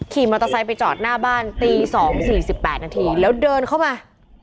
ขี่มอเตอร์ไซค์ไปจอดหน้าบ้านตี๒๔๘นาทีแล้วเดินเข้ามา